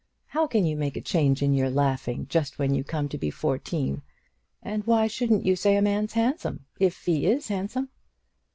How can you make a change in your laughing just when you come to be fourteen? And why shouldn't you say a man's handsome, if he is handsome?"